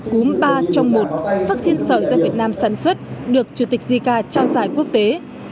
cúm ba trong một vaccine sợi do việt nam sản xuất được chủ tịch zika trao giải quốc tế